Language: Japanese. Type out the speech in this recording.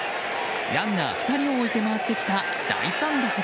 ランナー２人を置いて回ってきた第３打席。